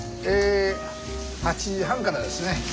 え８時半からですね。